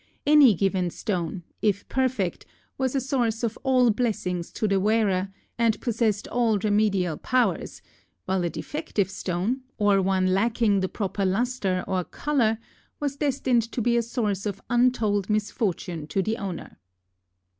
Any given stone, if perfect, was a source of all blessings to the wearer and possessed all remedial powers, while a defective stone, or one lacking the proper lustre or color, was destined to be a source of untold misfortune to the owner.